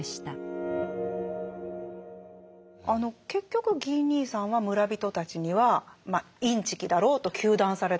結局ギー兄さんは村人たちにはインチキだろうと糾弾されたわけですよね。